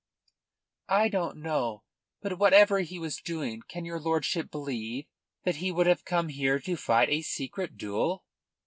"I don't know. But whatever he was doing, can your lordship believe that he would have come here to fight a secret duel?"